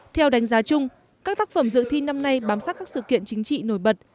theo đánh giá chung các tác phẩm dự thi năm nay bám sát các sự kiện chính trị nổi bật